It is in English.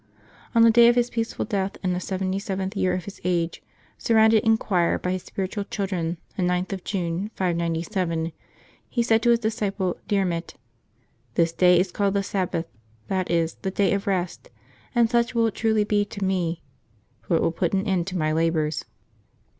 On the day of bis peaceful death, in the seventy seventh year of his age, surrounded in choir by his spiritual children, the 9th of June, 597, he said to his disciple Diermit, *'This day is called the Sabbath, that is, the day of rest, and such will it truly be to me; for it will put an end to my labors."